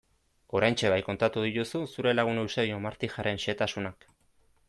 Oraintxe bai, kontatu dituzu zure lagun Eusebio Martijaren xehetasunak...